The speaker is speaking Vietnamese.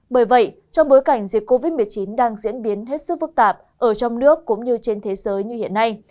bởi vậy trong bối cảnh dịch covid một mươi chín đang diễn biến hết sức phức tạp ở trong nước cũng như trên thế giới như hiện nay